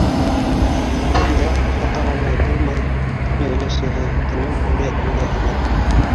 Бәндә хаталанмай булмай, - тине өләсәһе, тынын үрә-үрә алып.